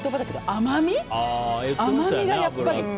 甘みがやっぱり。